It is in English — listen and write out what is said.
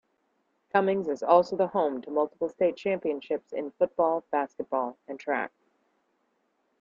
Cummings is also the home to multiple state champions in football, basketball and track.